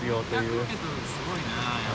４００ｍすごいなぁ。